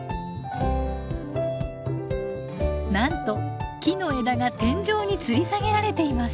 なんと木の枝が天井につり下げられています。